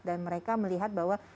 dan mereka melihat bahwa